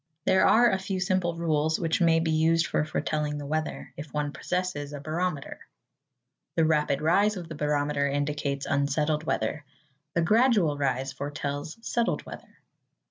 There are a few simple rules, which may be used for foretelling the weather, if one possesses a barometer. The rapid rise of the barometer indicates unsettled weather. The gradual rise foretells settled weather.